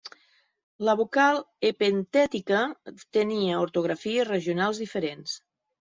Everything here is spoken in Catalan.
La vocal epentètica tenia ortografies regionals diferents.